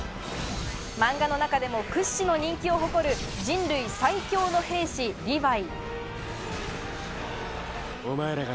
漫画の中でも屈指の人気を誇る人類最強の兵士・リヴァイ。